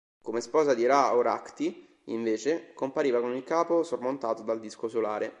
Come sposa di Ra-Horakhti, invece, compariva con il capo sormontato dal disco solare.